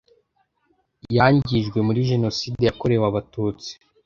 yangijwe muri Jenoside yakorewe Abatutsi